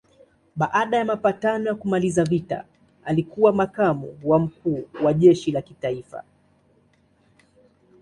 Baada ya mapatano ya kumaliza vita alikuwa makamu wa mkuu wa jeshi la kitaifa.